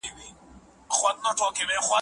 هغه دردمنه زمزمه ده